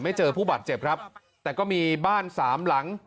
เจอผู้บาดเจ็บครับแต่ก็มีบ้านสามหลัง